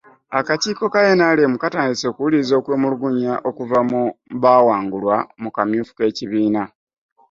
Akakiiko ka NRM katandise okuwulira okwemulugunya okuva mu baawangulwa mu kamyufu k'ekibiina